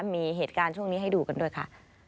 มีเหตุการณ์ช่วงนี้ให้ดูกันด้วยค่ะ